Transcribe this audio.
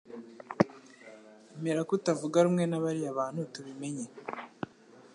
Emera kutavuga rumwe na bariya bantu tubimenye